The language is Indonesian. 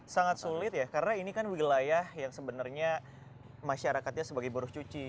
sangat sulit ya karena ini kan wilayah yang sebenarnya masyarakatnya sebagai buruh cuci